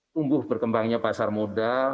tumbuh berkembangnya pasar moda